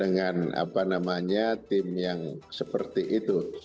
dengan apa namanya tim yang seperti itu